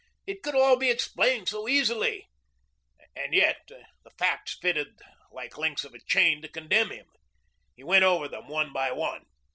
It could all be explained so easily. And yet the facts fitted like links of a chain to condemn him. He went over them one by one.